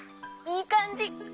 いいかんじ！